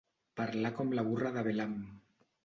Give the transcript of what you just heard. Parlar com la burra de Balaam.